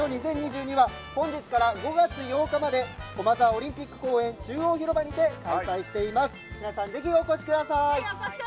ＴＯＫＹＯ２０２２は本日から５月８日まで駒沢オリンピック公園中央広場にて開催しています。